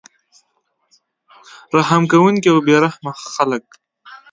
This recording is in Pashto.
رحم کوونکي او بې رحمه خلک